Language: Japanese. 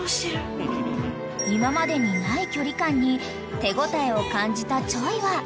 ［今までにない距離感に手応えを感じたｃｈｏｙ？は］